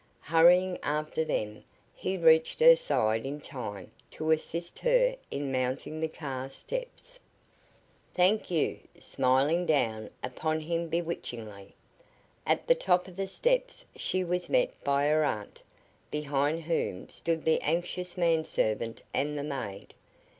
Hurrying after them, he reached her side in time to assist her in mounting the car steps. "Thank you," smiling down upon him bewitchingly. At the top of the steps she was met by her aunt, behind whom stood the anxious man servant and the maid.